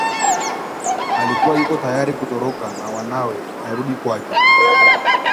Alikuwa yuko tayari kutoroka na wanawe arudi kwake